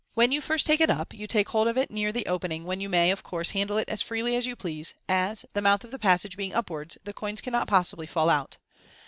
When you first take it up, you take hold of it near the opening, when you may, of course, handle it as freely as you please, as, the mouth of the passage being upwards, the coins cannot possibly fall out.